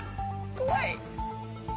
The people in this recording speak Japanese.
怖い。